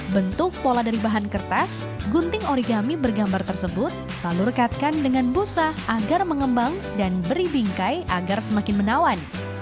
bentuk pola dari bahan kertas gunting origami bergambar tersebut lalu rekatkan dengan busa agar mengembang dan beri bingkai agar semakin menawan